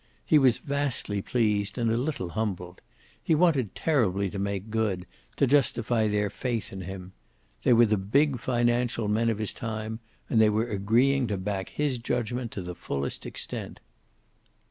He was vastly pleased and a little humbled. He wanted terribly to make good, to justify their faith in him. They were the big financial men of his time, and they were agreeing to back his judgment to the fullest extent.